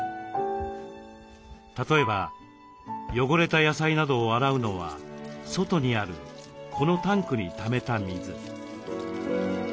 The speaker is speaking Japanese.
例えば汚れた野菜などを洗うのは外にあるこのタンクにためた水。